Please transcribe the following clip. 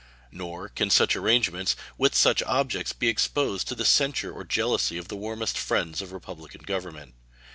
Nor can such arrangements, with such objects, be exposed to the censure or jealousy of the warmest friends of republican government.